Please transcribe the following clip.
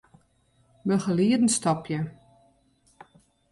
Begelieden stopje.